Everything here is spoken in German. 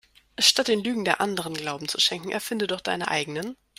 Statt den Lügen der Anderen Glauben zu schenken erfinde doch deine eigenen.